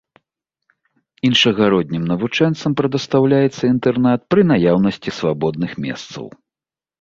Іншагароднім навучэнцам прадастаўляецца інтэрнат пры наяўнасці свабодных месцаў.